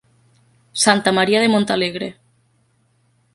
Santa Maria de Montalegre.